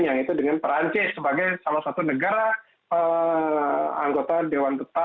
yaitu dengan perancis sebagai salah satu negara anggota dewan ketua